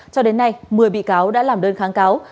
cho đến nay một mươi bị cáo đã làm đơn kháng cáo